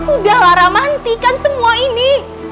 udah lah rama hentikan semua ini